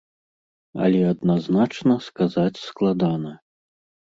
Але адназначна сказаць складана.